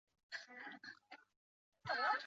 这时候天气放晴